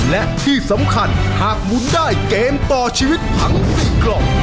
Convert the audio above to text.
และที่สำคัญหากหมุนได้เกมต่อชีวิตทั้ง๔กล่อง